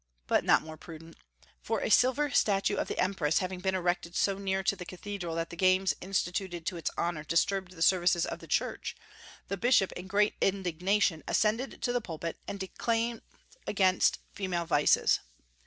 But not more prudent. For a silver statue of the empress having been erected so near to the cathedral that the games instituted to its honor disturbed the services of the church, the bishop in great indignation ascended the pulpit, and declaimed against female vices.